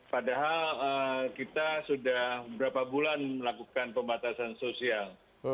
padahal kita sudah beberapa bulan melakukan pembatasan sosial